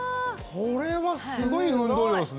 これはすごい運動量ですね。